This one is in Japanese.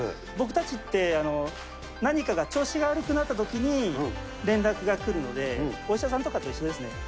僕たちって、何かが、調子が悪くなったときに、連絡が来るので、お医者さんとかと一緒ですね。